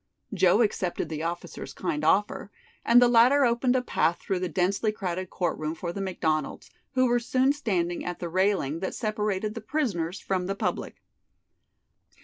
Joe accepted the officer's kind offer, and the latter opened a path through the densely crowded court room for the McDonalds, who were soon standing at the railing that separated the prisoners from the public.